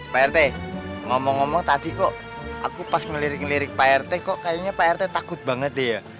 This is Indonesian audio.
pak rt ngomong ngomong tadi kok aku pas melirik lirik pak rt kok kayaknya pak rt takut banget deh ya